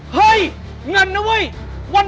เฮ้ยไงรณอะเว้ย